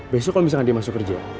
besok kalo misalnya dia masuk kerja